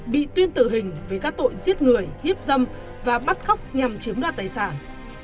bị tuyên tử hình với các tội giết người hiếp dâm và bắt khóc nhằm chiếm đoạt tài sản